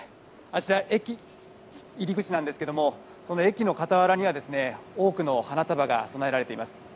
あちらは駅の入り口なんですけど駅の傍らには多くの花束が供えられています。